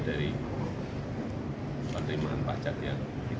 jadi seperti itu pak cak ya